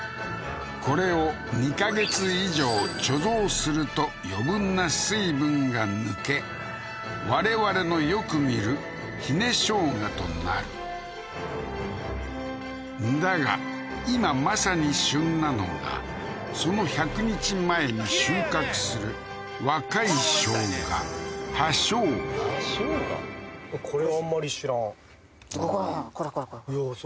これを２か月以上貯蔵すると余分な水分が抜け我々のよく見るひね生姜となるだが今まさに旬なのがその１００日前に収穫する若い生姜こここれこれこれこれいやー